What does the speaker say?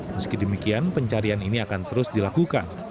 meski demikian pencarian ini akan terus dilakukan